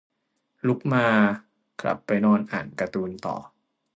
ลุกมา กลับไปนอนอ่านการ์ตูนต่อ